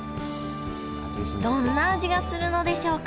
どんな味がするのでしょうか？